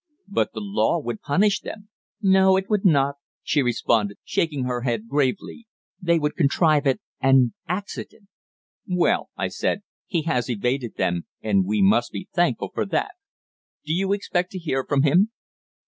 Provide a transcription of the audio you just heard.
"But the law would punish them." "No, it would not," she responded, shaking her head gravely. "They would contrive an 'accident.'" "Well," I said, "he has evaded them, and we must be thankful for that. Do you expect to hear from him?"